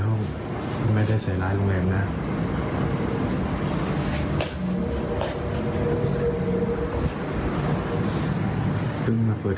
โหมีเหรียญการซื้อที่ด้วย